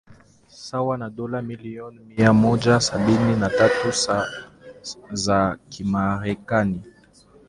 sawa na dola milioni mia mmoja sabini na tatu za kimarekani